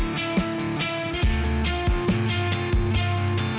kamu bisa seperti ini